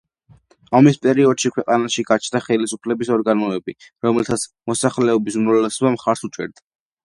ომის პერიოდში ქვეყანაში გაჩნდა ხელისუფლების ორგანოები, რომელსაც მოსახლეობის უმრავლესობა მხარს უჭერდა.